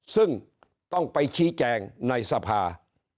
ซึ่งต้องไปชี้แจงในสภา